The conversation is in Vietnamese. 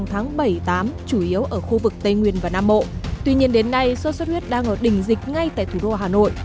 hôm nay sốt xuất huyết đang ở đỉnh dịch ngay tại thủ đô hà nội